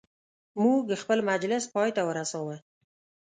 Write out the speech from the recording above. موږ خپل مجلس پایته ورساوه.